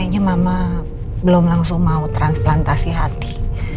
kayaknya mama belum langsung mau transplantasi hati